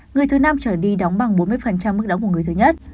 người thứ năm trở đi đóng bằng bốn mươi mức đóng của người thứ nhất